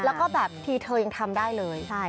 แล้วก็แบบทีเธอยังทำได้เลย